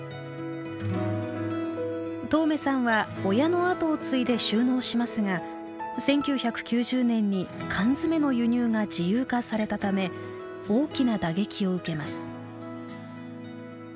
當銘さんは親の後を継いで就農しますが１９９０年に缶詰の輸入が自由化されたため大きな打撃を受けます。